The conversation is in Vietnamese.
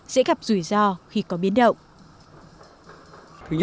sẽ gặp rủi ro khi có biến động